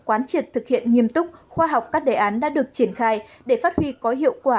quán triệt thực hiện nghiêm túc khoa học các đề án đã được triển khai để phát huy có hiệu quả